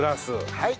はい。